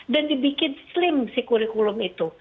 dan dibikin slim si kurikulum itu